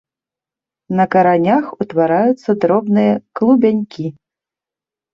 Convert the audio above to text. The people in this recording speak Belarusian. На каранях ўтвараюцца дробныя клубянькі.